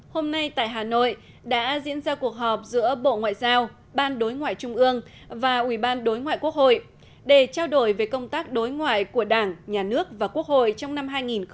hôm nay tại hà nội đã diễn ra cuộc họp giữa bộ ngoại giao ban đối ngoại trung ương và ubndqh để trao đổi về công tác đối ngoại của đảng nhà nước và quốc hội trong năm hai nghìn một mươi bảy